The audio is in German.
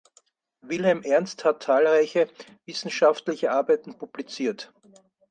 Wilhelm Ernst hat zahlreiche wissenschaftliche Arbeiten publiziert.